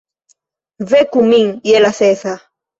Veku min je la sesa!